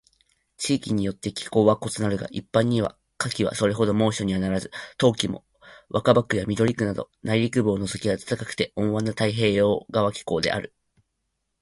地域によって気候は異なるが、一般には夏季はそれほど猛暑にはならず、冬季も若葉区や緑区など内陸部を除き暖かくて温和な太平洋側気候である。